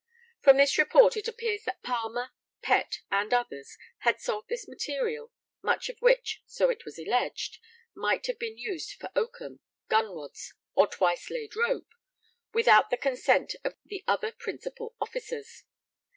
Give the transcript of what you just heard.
From this report it appears that Palmer, Pett, and others had sold this material (much of which, so it was alleged, might have been used for oakum, gun wads, or twice laid rope) without the consent of the other Principal Officers.